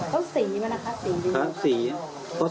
เขาสีมั้ยนะคะสีดีนะครับ